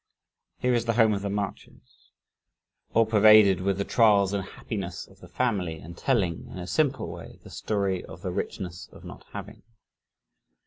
Here is the home of the "Marches" all pervaded with the trials and happiness of the family and telling, in a simple way, the story of "the richness of not having."